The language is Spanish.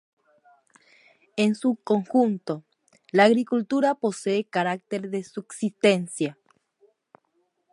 En su conjunto, la agricultura posee carácter de subsistencia.